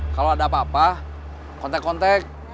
kalau ada apa apa kontek kontek